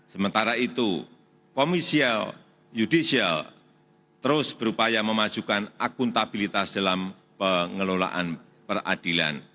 sementara itu komisial judicial terus berupaya memajukan akuntabilitas dalam pengelolaan peradilan